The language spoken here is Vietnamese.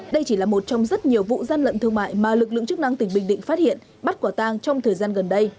đây chỉ là một trong rất nhiều vụ gian lận thương mại mà lực lượng chức năng tỉnh bình định phát hiện bắt quả tang trong thời gian gần đây